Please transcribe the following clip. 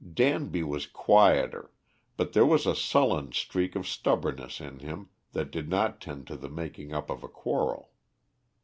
Danby was quieter, but there was a sullen streak of stubbornness in him that did not tend to the making up of a quarrel.